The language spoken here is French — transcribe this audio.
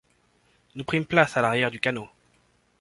Nous primes place à l’arrière du canot.